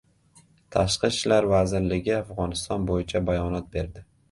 Tashqi ishlar vazirligi Afg‘oniston bo‘yicha bayonot berdi